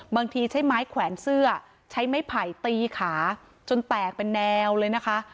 บางทีใช้ไม้แขวนเสื้อใช้ไม้ไผ่ตีขาจนแตกเป็นแนวเลยนะคะ